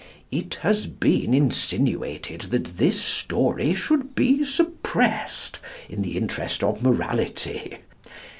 It has been insinuated that this story should be suppressed in the interest of morality.